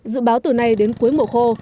dự báo từ nay đến cuối mùa khô